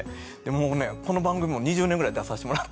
もうねこの番組も２０年ぐらい出さしてもらってるんです。